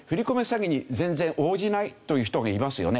詐欺に全然応じないという人がいますよね。